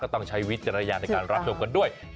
ต้องใช้วิจารณญาณในการรับชมกันด้วย